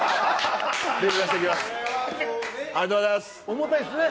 重たいですね。